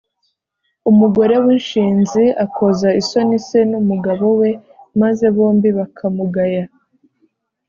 Umugore w’inshinzi akoza isoni se n’umugabo we, maze bombi bakamugaya.